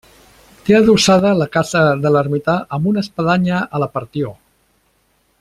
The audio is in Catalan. Té adossada la casa de l'ermità amb una espadanya a la partió.